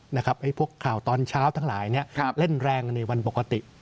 พวกข่าวตอนเช้าทั้งหลายเล่นแรงในวันปกติ